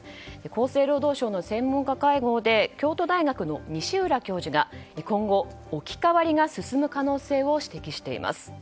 厚生労働省の専門家会合で京都大学の西浦教授が今後、置き換わりが進む可能性を指摘しています。